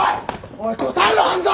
おい答えろ半田！